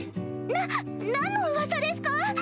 な何のうわさですか？